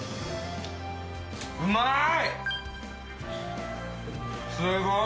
うまい！